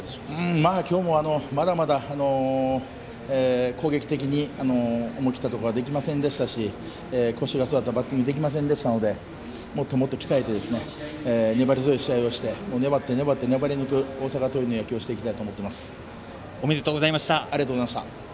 今日もまだまだ攻撃的に思い切ったところはできませんでしたし腰の据わったバッティングができませんでしたのでもっと鍛えて粘り強い試合をして粘って粘って粘り抜く大阪桐蔭の試合をしたいとおめでとうございました。